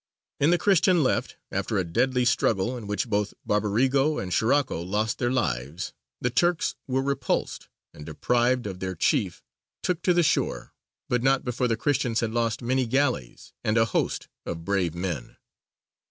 In the Christian left, after a deadly struggle, in which both Barbarigo and Scirocco lost their lives, the Turks were repulsed, and, deprived of their chief, took to the shore, but not before the Christians had lost many galleys and a host of brave men.